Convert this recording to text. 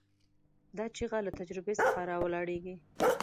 دا چیغه له تجربې څخه راولاړېږي.